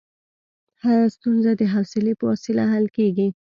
هره ستونزه د حوصلې په وسیله حل کېږي.